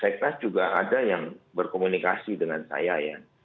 seknas juga ada yang berkomunikasi dengan saya ya